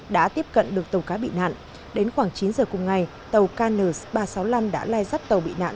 đã tiếp cận được tàu cá bị nạn đến khoảng chín giờ cùng ngày tàu kn ba trăm sáu mươi năm đã lai dắt tàu bị nạn